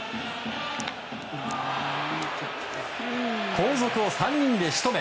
後続を３人で仕留め